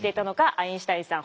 アインシュタインさん。